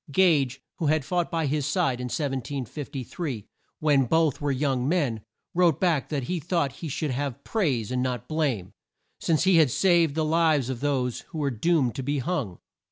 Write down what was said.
Gage, who had fought by his side in 1753, when both were young men, wrote back that he thought he should have praise and not blame, since he had saved the lives of those who were doomed to be hung.